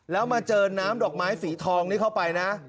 แล้วมาเจอน้ำดอกไม้สีทองนี้เข้าไปนะ